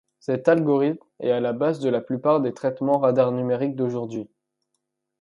Cet algorithme est à la base de la plupart des traitements radar numériques d'aujourd'hui.